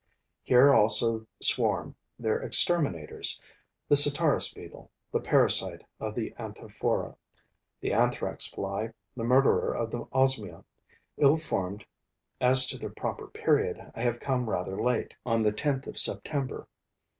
Here also swarm their exterminators: the Sitaris beetle, the parasite of the Anthophora; the Anthrax fly, the murderer of the Osmia. Ill informed as to the proper period, I have come rather late, on the 10th of September.